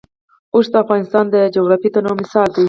اوښ د افغانستان د جغرافیوي تنوع مثال دی.